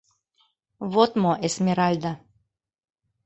Вот мо, Эсмеральда.